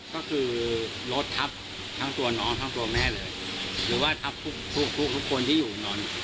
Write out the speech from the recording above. ก็คือรถทับทั้งตัวน้องทั้งตัวแม่เลยหรือว่าทับทุกทุกทุกคนที่อยู่นอน